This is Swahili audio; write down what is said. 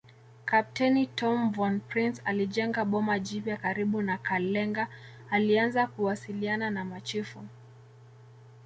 Kapteni Tom von Prince alijenga boma jipya karibu na Kalenga alianza kuwasiliana na machifu